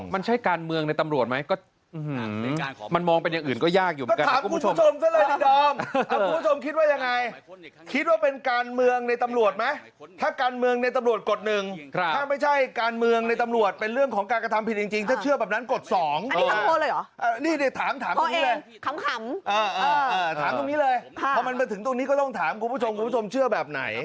วันนี้ก็ต้องถามคุณผู้ชมคุณผู้ชมเชื่อแบบไหน